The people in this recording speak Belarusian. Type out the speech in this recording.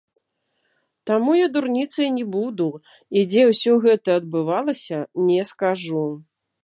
Таму я дурніцай не буду і дзе ўсё гэта адбывалася, не скажу.